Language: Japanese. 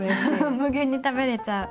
無限に食べれちゃう。